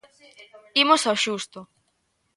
Imos ao xusto.